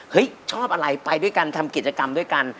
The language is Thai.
ชอบอะไรไปด้วยกันทำกิจกรรมด้วยกัน